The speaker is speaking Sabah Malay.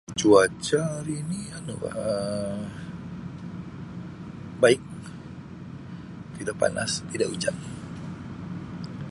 Cuaca hari ni anu bah Um baik, tidak panas, tidak ujan.